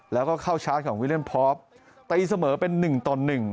แล้วก็เข้าชาร์จของวิเลียนพอปตีเสมอเป็น๑ต่อ๑